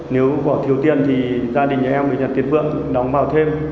nếu có thiếu tiền thì gia đình nhà em với nhà tiến vương đóng vào thêm